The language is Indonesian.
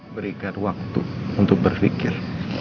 berikan waktu untuk berpikir